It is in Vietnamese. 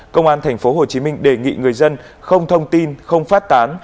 công an tp hcm đề nghị người dân không thông tin không phát tán